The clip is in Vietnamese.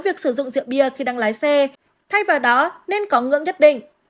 việc sử dụng rượu bia khi đang lái xe thay vào đó nên có ngưỡng nhất định